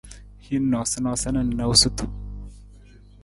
Hin noosanoosa na noosutu.